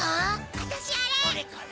私あれ！